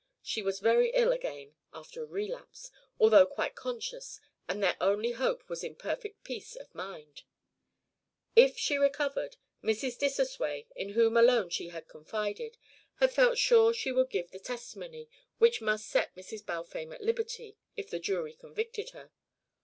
She was very ill again after a relapse, although quite conscious, and their only hope was in perfect peace of mind. If she recovered, Mrs. Dissosway, in whom alone she had confided, had felt sure she would give the testimony which must set Mrs. Balfame at liberty if the jury convicted her.